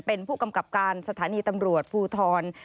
เป็นผู้กำกับการสถานีตำรวจภูทร